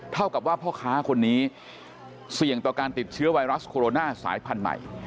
เท่ากับว่าพ่อค้าคนนี้เสี่ยงต่อการติดเชื้อไวรัสโคโรนาสายพันธุ์ใหม่